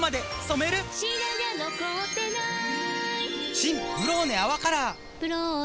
新「ブローネ泡カラー」「ブローネ」